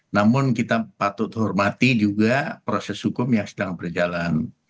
namun kita patut hormati juga proses hukum yang sedang berjalan